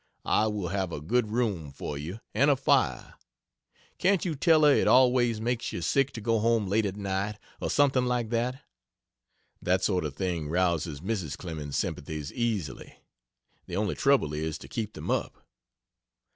I will have a good room for you, and a fire. Can't you tell her it always makes you sick to go home late at night, or something like that? That sort of thing rouses Mrs. Clemens's sympathies, easily; the only trouble is to keep them up.